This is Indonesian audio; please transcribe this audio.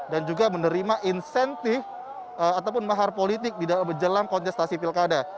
dan juga menerima insentif ataupun mahar politik di dalam jelang kontestasi pilkada